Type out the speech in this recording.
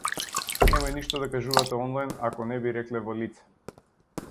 Немој ништо да кажувате онлајн ако не би рекле во лице.